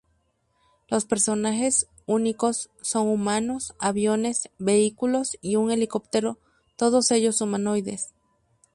Los personajes, únicos, son humanos, aviones, vehículos y un helicóptero, todos ellos humanoides.